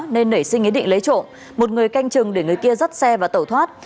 nên nảy sinh ý định lấy trộm một người canh chừng để người kia dắt xe và tẩu thoát